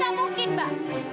gak mungkin mbak